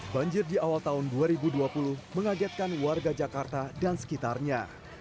banjir di awal tahun dua ribu dua puluh mengagetkan warga jakarta dan sekitarnya